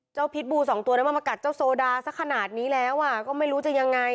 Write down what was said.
พิษบูสองตัวนั้นมันมากัดเจ้าโซดาสักขนาดนี้แล้วก็ไม่รู้จะยังไง